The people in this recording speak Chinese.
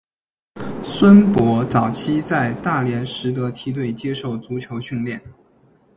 孙铂早期在大连实德梯队接受足球训练。